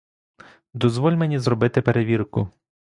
Дозволь мені зробити перевірку.